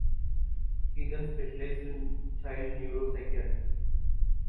He then specialized in child neuropsychiatry.